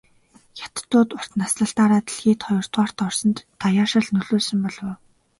Хятадууд урт наслалтаар дэлхийд хоёрдугаарт орсонд даяаршил нөлөөлсөн болов уу?